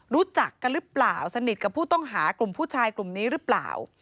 รู้จักกันหรือเปล่าสนิทกับผู้ต้องหากลุ่มผู้ชายกลุ่มนี้หรือเปล่า